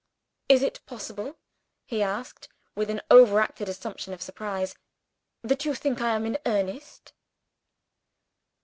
"Is it possible," he asked, with an overacted assumption of surprise, "that you think I am in earnest?"